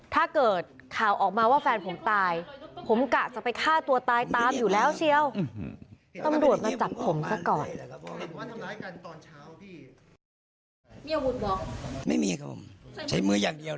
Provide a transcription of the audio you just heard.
ถ้าเกิดข่าวออกมาว่าแฟนผมตายผมกะจะไปฆ่าตัวตายตามอยู่แล้วเชียว